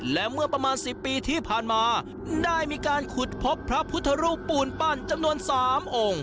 และเมื่อประมาณ๑๐ปีที่ผ่านมาได้มีการขุดพบพระพุทธรูปปูนปั้นจำนวน๓องค์